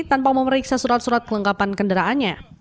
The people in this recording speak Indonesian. tanpa memeriksa surat surat kelengkapan kendaraannya